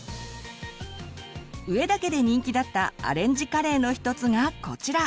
上田家で人気だったアレンジカレーの１つがこちら。